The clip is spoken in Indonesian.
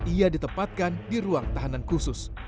ia ditempatkan di ruang tahanan khusus